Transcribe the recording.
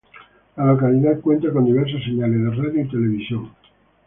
La localidad cuenta con diversas señales de radio y televisión.